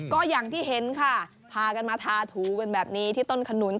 ก็อย่างที่เห็นค่ะพากันมาทาถูกันแบบนี้ที่ต้นขนุน